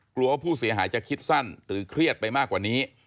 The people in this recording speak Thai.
ว่าผู้เสียหายจะคิดสั้นหรือเครียดไปมากกว่านี้